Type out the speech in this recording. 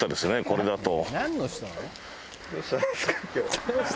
これだと。